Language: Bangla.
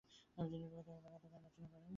তিনি বিখাত একটি ব্যাঙ্গাত্মক গান রচনা করেন।